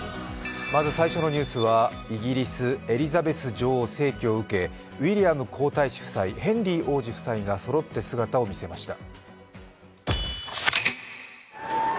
まず最初のニュースはイギリスエリザベス女王逝去を受けウイリアム皇太子夫妻、ヘンリー王子夫妻がそろって姿を見せました。